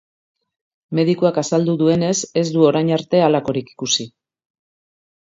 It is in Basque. Medikuak azaldu duenez, ez du orain arte holakorik ikusi.